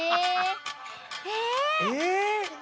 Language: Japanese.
え！